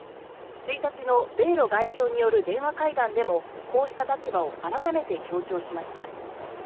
１日の米ロ外相による電話会談でもこうした立場を改めて強調しました。